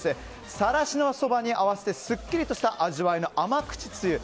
更科そばに合わせてすっきりとした味わいの甘口つゆ。